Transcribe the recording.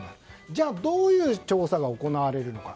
じゃあどういう調査が行われるのか。